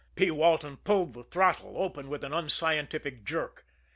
P. Walton pulled the throttle open with an unscientific jerk.